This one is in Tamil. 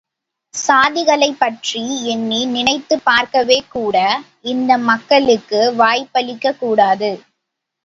சாதிகளைப் பற்றி எண்ணி நினைத்துப் பார்க்கக்கூட இந்த மக்களுக்கு வாய்ப்பளிக்கக் கூடாது.